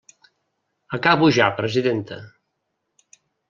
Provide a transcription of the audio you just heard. Acabo ja, presidenta.